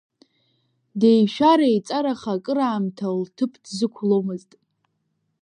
Деишәара-еиҵараха акыраамҭа лҭыԥ дзықәломызт.